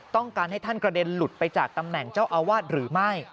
ต้องการให้ท่านกระเด็นหลุดไปจากตำแหน่งเจ้าอาวาสหรือไม่